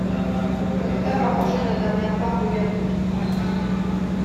Ton frère a mangé la dernière part de gâteau.